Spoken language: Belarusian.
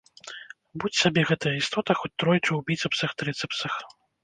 Будзь сабе гэтая істота хоць тройчы ў біцэпсах-трыцэпсах.